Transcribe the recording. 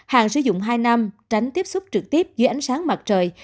hàng sử dụng hai năm tránh tiếp xúc trực tiếp dưới ánh sáng mặt trời